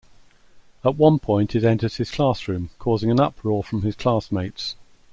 At one point it enters his classroom, causing an uproar from his classmates.